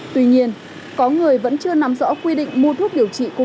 tuy nhiên có người vẫn chưa nằm rõ quy định mua thuốc điều trị covid